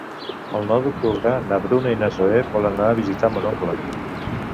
El nou d'octubre na Bruna i na Zoè volen anar a visitar mon oncle.